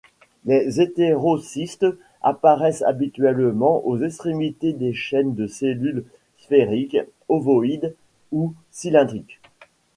Les hétérocystes apparaissent habituellement aux extrémités des chaînes de cellules sphériques, ovoïdes ou cylindriques.